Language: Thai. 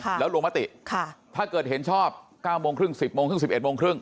แล้วลงมติค่ะถ้าเกิดเห็นชอบเก้าโมงครึ่งสิบโมงครึ่งสิบเอ็ดโมงครึ่ง